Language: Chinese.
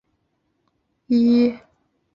美国是世界矿产资源最丰富的国家之一。